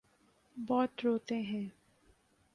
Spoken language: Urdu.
بہت روتے ہیں۔